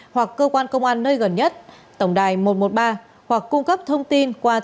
hoặc cơ quan công an nơi gần nhất tổng đài một trăm một mươi ba hoặc cung cấp thông tin qua trang